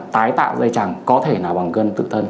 tái tạo dây chẳng có thể là bằng cân tự thân